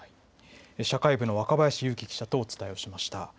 社会部の若林勇希記者とお伝えしました。